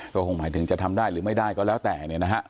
ก็คงหมายถึงจะทำได้หรือไม่ได้ก็แล้วแต่เนี่ยนะฮะ